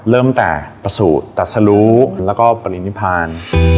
เริ่มแต่ประสูจน์ตัดสรุแล้วก็ปริณิพาน